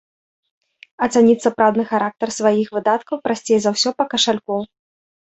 Ацаніць сапраўдны характар сваіх выдаткаў прасцей за ўсё па кашальку.